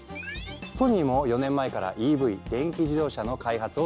ソニーも４年前からＥＶ電気自動車の開発をスタート。